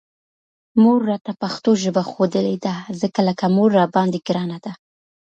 مور راته پښتو ژبه ښودلې ده، ځکه لکه مور راباندې ګرانه ده